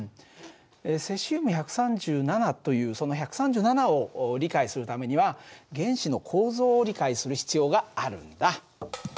「セシウム１３７」というその「１３７」を理解するためには原子の構造を理解する必要があるんだ。